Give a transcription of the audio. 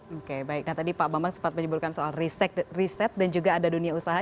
oke baik nah tadi pak bambang sempat menyebutkan soal riset dan juga ada dunia usaha